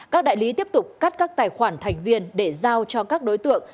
các đại lý tiếp tục cắt các tài khoản thành viên để giao cho các đối tượng